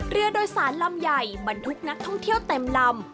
เรือโดยสารลำใหญ่บรรทุกนักท่องเที่ยวเต็มลำ